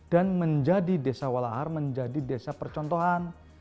dan menjadi desa walahar menjadi desa percontohan